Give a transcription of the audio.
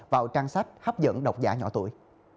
vào trang sách hấp dẫn đọc giả nhỏ tuổi